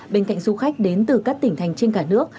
bên cạnh du khách đến từ các tỉnh thành trên cả nước